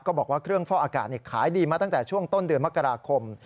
บอกว่าเครื่องฟอกอากาศขายดีมาตั้งแต่ช่วงต้นเดือนมกราคม